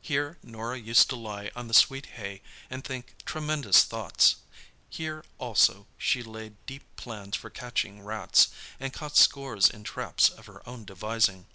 Here Norah used to lie on the sweet hay and think tremendous thoughts; here also she laid deep plans for catching rats—and caught scores in traps of her own devising.